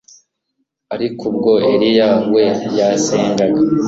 ariko ubwo Eliya we yasengaga